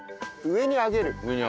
上に上げる。